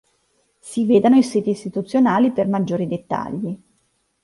Si vedano i siti istituzionali per maggiori dettagli.